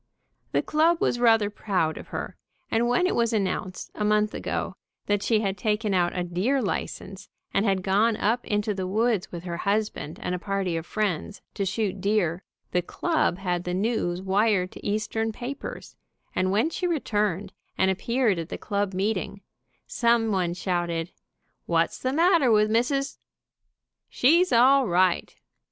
The club was rather proud of her, and when it was announced, a month ago, that she had taken out a deer license, and had gone up into the woods with her husband and a party of friends, to shoot deer, the club had the news wired to Eastern papers, and when she returned and appeared at the club meeting, some one shouted, "What's the matter with Mrs. ? She's all right